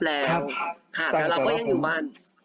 แล้วเราก็ยังอยู่บ้าน